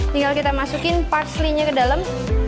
tinggal kita masukin parksley nya ke dalam